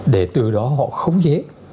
để từ đó họ khống chế